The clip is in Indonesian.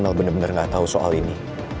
mel bener bener nginatau soal ini